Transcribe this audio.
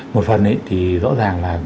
một phần thì rõ ràng là mỗi